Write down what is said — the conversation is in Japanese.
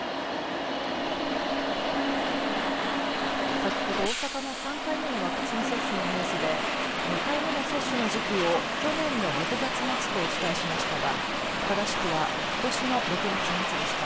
先ほど大阪の３回目のワクチン接種のニュースで２回目の接種の時期を去年の６月末とお伝えしましたがただしくはことしの６月末でした。